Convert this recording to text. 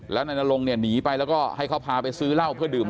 แล้วนายนรงเนี่ยหนีไปแล้วก็ให้เขาพาไปซื้อเหล้าเพื่อดื่ม